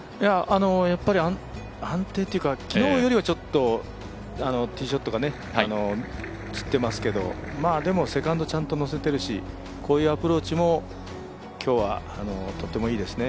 やっぱり安定っていうか昨日よりはちょっとティーショットがつってますけどでもセカンド、ちゃんとのせているし、こういうアプローチも今日はとってもいいですね。